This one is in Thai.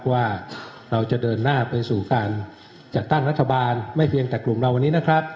ว่าเราจะเดินหน้าไปสู่การจัดตั้งรัฐบาลไม่เพียงแต่กลุ่มเราวันนี้นะครับ